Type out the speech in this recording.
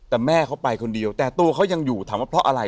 แต่แม่เขาไปคนเดียวแต่ตัวเขายังอยู่ถามว่าเพราะอะไร